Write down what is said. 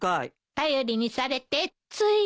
頼りにされてつい。